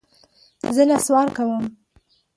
زه نسوار کوم.